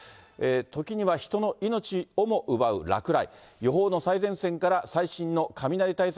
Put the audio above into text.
時には人の命をも奪う落雷。